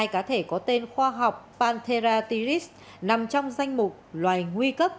hai cá thể có tên khoa học pantera tiris nằm trong danh mục loài nguy cấp